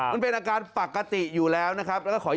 มันเป็นอาการปกติอยู่แล้วนะครับ